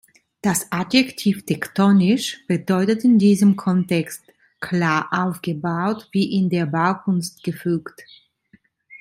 Das Adjektiv tektonisch bedeutet in diesem Kontext: klar aufgebaut, wie in der Baukunst gefügt.